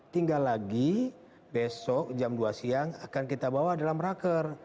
tinggal lagi besok jam dua siang akan kita bawa dalam raker